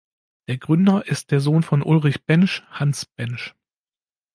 Der Gründer ist der Sohn von Ulrich Baensch, Hans Baensch.